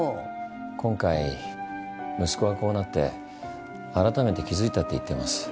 今回息子がこうなって改めて気付いたって言ってます。